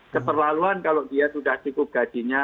keterlaluan kalau dia sudah cukup gajinya